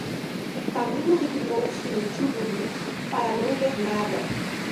Camilo reclinou-se no tílburi, para não ver nada.